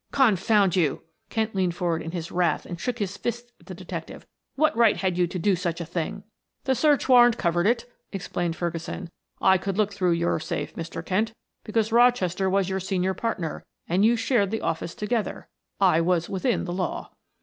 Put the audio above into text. "Confound you!" Kent leaned forward in his wrath and shook his fist at the detective. "What right had you to do such a thing?" "The search warrant covered it," explained Ferguson. "I could look through your safe, Mr. Kent, because Rochester was your senior partner and you shared the office together; I was within the law."